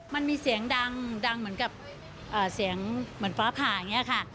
มันมีเสียงดังดังเหมือนกับเสียงเหมือนฟ้าผ่าอย่างนี้ค่ะ